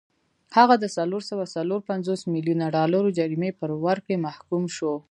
هغه د څلور سوه څلور پنځوس میلیونه ډالرو جریمې پر ورکړې محکوم شو.